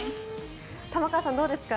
玉川さんどうですか？